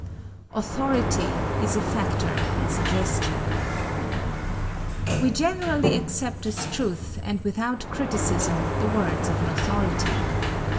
Authority is a factor in suggestion. We generally accept as truth, and without criticism, the words of an authority.